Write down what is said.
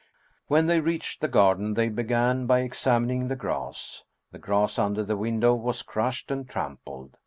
When they reached the garden they began by examin ing the grass. The grass under the window was crushed and trampled.